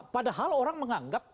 padahal orang menganggap